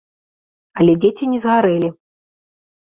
Але дзеці не згарэлі.